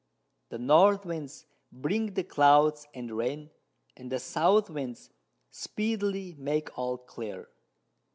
The North Winds bring the Clouds and Rain, and the South Winds speedily make all clear.